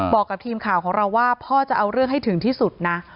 บอกกับทีมข่าวของเราว่าพ่อจะเอาเรื่องให้ถึงที่สุดนะ